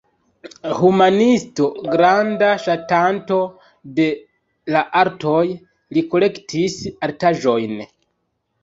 Humanisto, granda ŝatanto de la artoj, li kolektis artaĵojn.